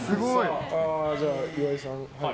じゃあ、岩井さん。